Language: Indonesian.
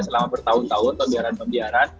selama bertahun tahun pembiaran pembiaran